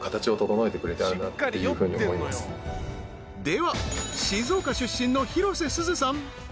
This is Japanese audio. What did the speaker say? ［では静岡出身の広瀬すずさん］